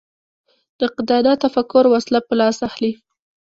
نقادانه تفکر وسله په لاس اخلي